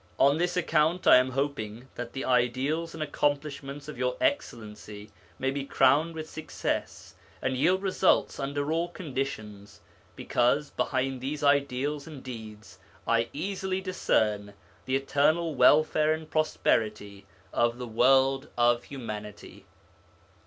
On this account I am hoping that the ideals and accomplishments of Your Excellency may be crowned with success and yield results under all conditions, because behind these ideals and deeds I easily discern the eternal welfare and prosperity of the world of humanity.